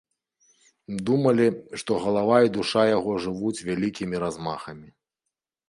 Думалі, што галава і душа яго жывуць вялікімі размахамі.